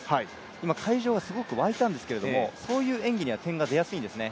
今、会場はすごく沸いたんですけどそういう演技には点が出やすいんですね。